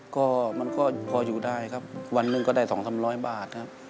ก็มันก็พออยู่ได้ครับวันหนึ่งก็ได้๒๓๐๐บาทครับ